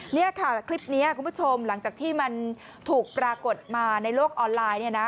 นี่ค่ะคลิปนี้คุณผู้ชมหลังจากที่มันถูกปรากฏมาในโลกออนไลน์เนี่ยนะ